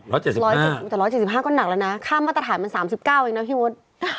ร้อยเจ็ดสิบห้าก็หนักแล้วนะค่ามาตรฐานมัน๓๙เองนะพี่โว๊ต